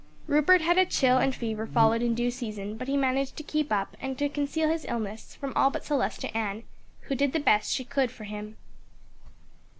Rupert had had a chill and fever followed in due season; but he managed to keep up and to conceal his illness from all but Celestia Ann, who did the best she could for him.